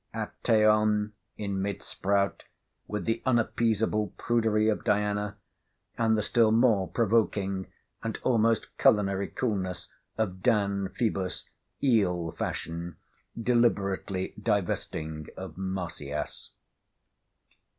Actæon in mid sprout, with the unappeasable prudery of Diana; and the still more provoking, and almost culinary coolness of Dan Phoebus, eel fashion, deliberately divesting of Marsyas.